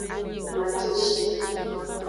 Maceshi.